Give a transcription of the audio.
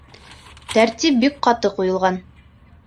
Тәртип бик ҡаты ҡуйылған.